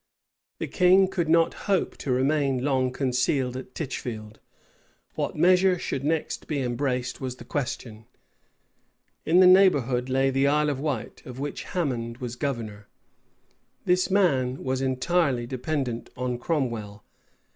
The king could not hope to remain long concealed at Tichfield: what measure should next be embraced, was the question. In the neighborhood lay the Isle of Wight, of which Hammond was governor. This man was entirely dependent on Cromwell.